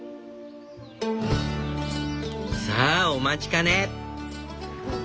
さあお待ちかね！